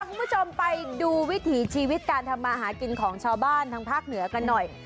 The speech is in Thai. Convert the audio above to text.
คุณผู้ชมไปดูวิถีชีวิตการทำมาหากินของชาวบ้านทางภาคเหนือกันหน่อย